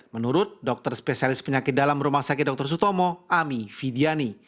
menurut dokter spesialis penyakit dalam rumah sakit dr sutomo ami vidiani